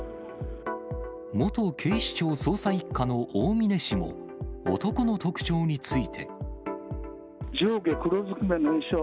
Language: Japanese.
元警視庁捜査１課の大峯氏も、男の特徴について。